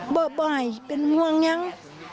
บ่อยเป็นห่วงยัง